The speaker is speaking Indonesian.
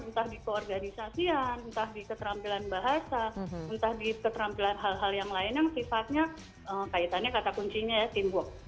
entah di keorganisasian entah di keterampilan bahasa entah di keterampilan hal hal yang lain yang sifatnya kaitannya kata kuncinya ya teamwork